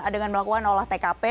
dengan melakukan olah tkp